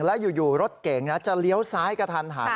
แล้วอยู่รถเก่งจะเลี้ยวซ้ายกระทันหัน